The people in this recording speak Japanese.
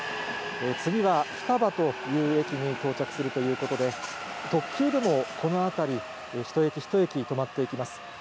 次はふたばという駅に到着するということで、特急でもこの辺り、一駅一駅止まっていきます。